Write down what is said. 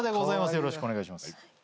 よろしくお願いします。